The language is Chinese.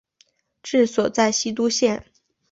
治所在西都县。